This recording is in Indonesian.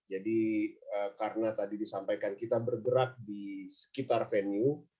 jadi karena tadi disampaikan kita bergerak di sekitar venue